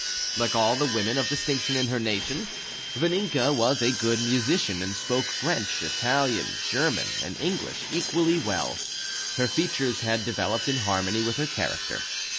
Like all the women of distinction in her nation, Vaninka was a good musician, and spoke French, Italian, German, and English equally well. Her features had developed in harmony with her character.